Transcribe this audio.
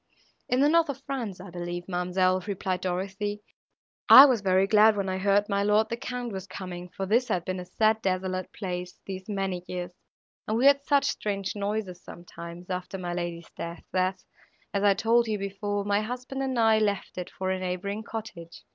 —"In the north of France, I believe, ma'amselle," replied Dorothée. "I was very glad, when I heard my lord the Count was coming, for this had been a sad desolate place, these many years, and we heard such strange noises, sometimes, after my lady's death, that, as I told you before, my husband and I left it for a neighbouring cottage.